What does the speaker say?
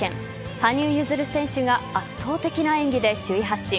羽生結弦選手が圧倒的な演技で首位発進。